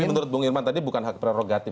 tapi menurut bung irman tadi bukan hak prerogatif